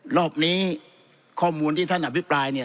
รอบนี้ข้อมูลที่ท่านอภิปรายเนี่ย